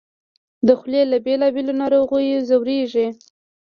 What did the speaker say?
د خولې له بېلابېلو ناروغیو ځورېږي